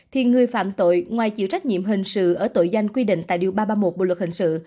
thì người phạm tội ngoài chịu trách nhiệm hình sự ở tội danh quy định tại điều ba trăm ba mươi một bộ luật hình sự